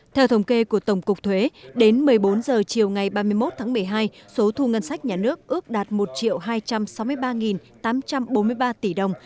theo thống kê của tổng cục thuế đến một mươi bốn h chiều ngày ba mươi một tháng một mươi hai số thu ngân sách nhà nước ước đạt một hai trăm sáu mươi ba tám trăm bốn mươi ba tỷ đồng